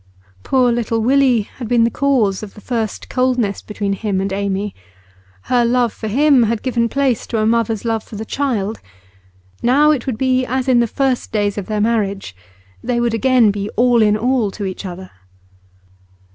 Poor little Willie had been the cause of the first coldness between him and Amy; her love for him had given place to a mother's love for the child. Now it would be as in the first days of their marriage; they would again be all in all to each other.